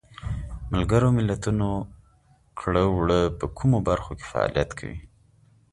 ملګرو ملتونو کړه وړه چې په کومو برخو کې فعالیت کوي.